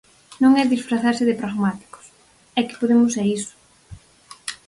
Non é disfrazarse de pragmáticos: é que Podemos é iso.